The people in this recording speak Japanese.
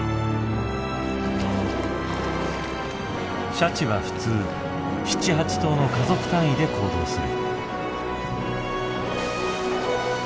シャチは普通７８頭の家族単位で行動する。